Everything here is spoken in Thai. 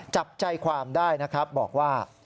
จับใจความได้นะครับบอกว่า